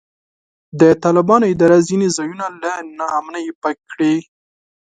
د طالبانو اداره ځینې ځایونه له نا امنۍ پاک کړي.